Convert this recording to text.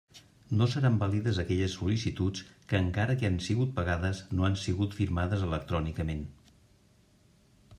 No seran vàlides aquelles sol·licituds que encara que han sigut pagades no han sigut firmades electrònicament.